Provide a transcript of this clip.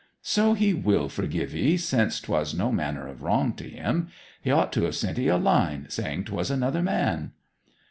'So he will forgive 'ee, since 'twas no manner of wrong to him. He ought to have sent 'ee a line, saying 'twas another man.'